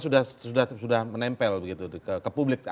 ya karena sudah menempel ke publik